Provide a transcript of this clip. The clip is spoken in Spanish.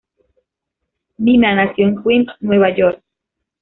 Nina nació en Queens, Nueva York.